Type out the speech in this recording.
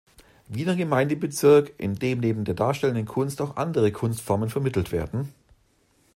Wiener Gemeindebezirk, in dem neben der darstellenden Kunst auch andere Kunstformen vermittelt werden.